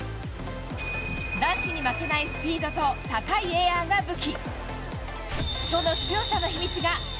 男子に負けないスピードと、高いエアが武器。